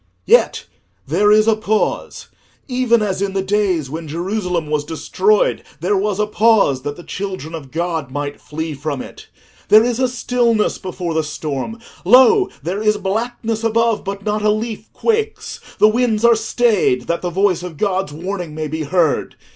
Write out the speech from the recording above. "Yet there is a pause—even as in the days when Jerusalem was destroyed there was a pause that the children of God might flee from it. There is a stillness before the storm: lo, there is blackness above, but not a leaf quakes: the winds are stayed, that the voice of God's warning may be heard.